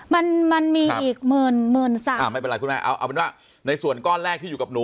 มันมันมีอีก๑๓๐๐๐ไม่เป็นไรคุณแม่เอาในส่วนก้อนแรกที่อยู่กับหนู